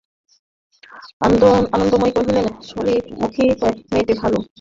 আনন্দময়ী কহিলেন, শশিমুখী মেয়েটি ভালো, কিন্তু বাছা, ছেলেমানুষি কোরো না।